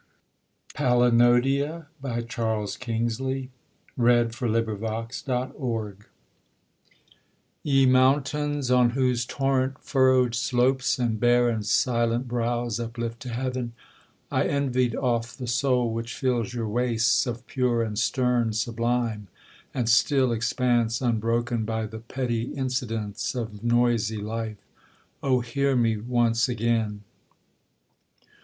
oul to God Or ever the bearers wist. Durham, 1840. PALINODIA Ye mountains, on whose torrent furrowed slopes, And bare and silent brows uplift to heaven, I envied oft the soul which fills your wastes Of pure and stern sublime, and still expanse Unbroken by the petty incidents Of noisy life: Oh hear me once again!